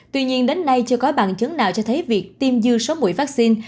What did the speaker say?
tuy nhiên đến nay chưa có bằng chứng nào cho thấy việc tiêm dư số mũi vắc xin